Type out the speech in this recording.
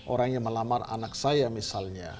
orang yang melamar anak saya misalnya